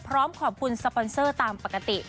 พร้อมขอบคุณสปอนเซอร์ตามปกติ